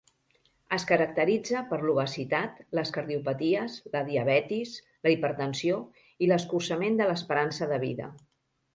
Es caracteritza per l'obesitat, les cardiopaties, la diabetis, la hipertensió i l'escurçament de l'esperança de vida.